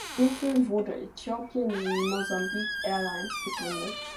Hierfür wurde Ethiopian Mozambique Airlines gegründet.